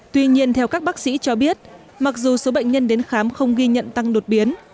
tuy nhiên theo các bác sĩ cho biết mặc dù số bệnh nhân đến khám không ghi nhận tăng đột biến